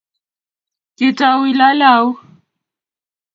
Kitau ilale au?